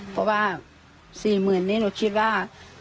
เพราะว่า๔๐๐๐๐นี่นุชถึงว่า